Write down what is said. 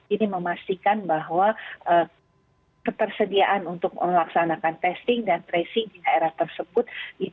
ini memastikan bahwa ketersediaan untuk melaksanakan testing dan tracing di daerah tersebut